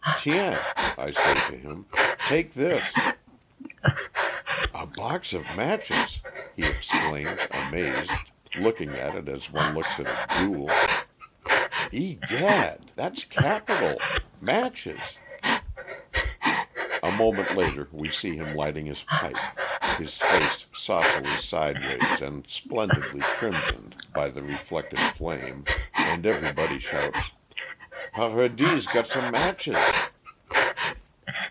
"Tiens," I say to him, "take this." "A box of matches!" he exclaims amazed, looking at it as one looks at a jewel. "Egad! That's capital! Matches!" A moment later we see him lighting his pipe, his face saucily sideways and splendidly crimsoned by the reflected flame, and everybody shouts, "Paradis' got some matches!"